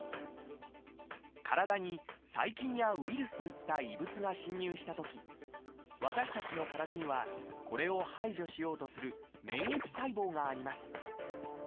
体に細菌やウイルスといった異物が侵入したとき私たちの体にはこれを排除しようとする免疫細胞があります。